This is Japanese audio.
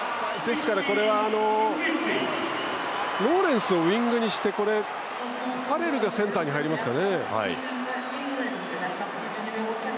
ローレンスをウイングにしてファレルがセンターに入りますか。